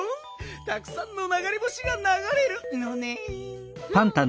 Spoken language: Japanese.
たくさんのながれ星がながれるのねん。